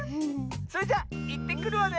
それじゃいってくるわね！